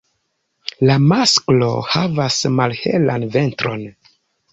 La masklo havas malhelan ventron.